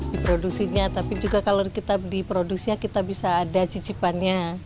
di produksinya tapi juga kalau kita di produksinya kita bisa ada cicipannya